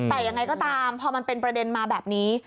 แต่ยังไงก็ตามพอมันเป็นประเด็นมาแบบนี้